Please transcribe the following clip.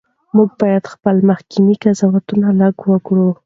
موږ باید خپل مخکني قضاوتونه لږ کړو.